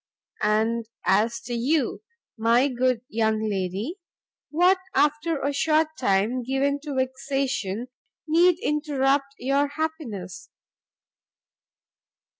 And as to you, my good young lady, what, after a short time given to vexation, need interrupt your happiness?